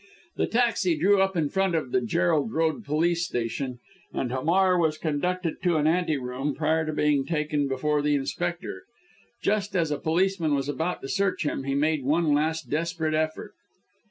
The taxi drew up in front of the Gerald Road Police Station, and Hamar was conducted to an ante room, prior to being taken before the inspector. Just as a policeman was about to search him, he made one last desperate effort.